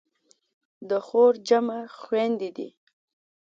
د خور جمع خویندې دي.